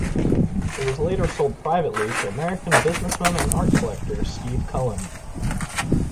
It was later sold privately to American businessman and art collector Steve Cohen.